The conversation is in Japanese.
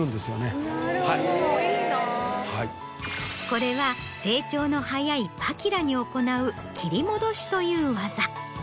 これは成長の早いパキラに行う切り戻しという技。